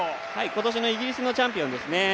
今年のイギリスのチャンピオンですね。